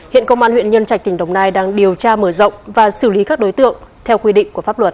hiện công an huyện nhân trạch tỉnh đồng nai đang điều tra mở rộng và xử lý các đối tượng theo quy định của pháp luật